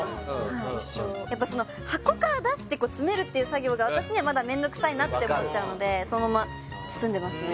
はいやっぱその箱から出して詰めるっていう作業が私にはまだ面倒くさいなって思っちゃうのでそのまま包んでますね